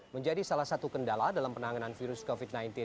menjadi salah satu kendala dalam penanganan virus covid sembilan belas